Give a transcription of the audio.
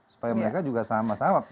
supaya mereka juga sama sama